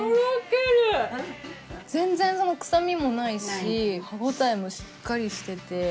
全然臭みもないし歯応えもしっかりしてて。